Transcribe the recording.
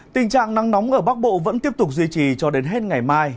tình trạng nắng nóng ở bắc bộ vẫn tiếp tục duy trì cho đến hết ngày mai